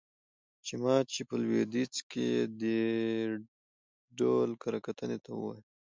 چې مات شي. په لويديځ کې يې دې ډول کره کتنې ته ووايه.